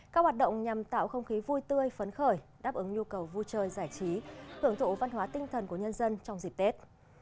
các hoạt động nhằm tạo không khí vui tươi phấn khởi đáp ứng nhu cầu vui chơi giải trí hưởng thụ văn hóa tinh thần của nhân dân trong dịp tết